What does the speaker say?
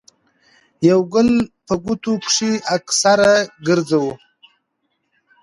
يو ګل په ګوتو کښې اکثر ګرځوو